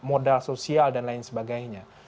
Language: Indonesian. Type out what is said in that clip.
modal sosial dan lain sebagainya